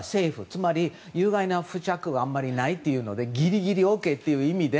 つまり、有害な付着があまりないというのでギリギリＯＫという意味で。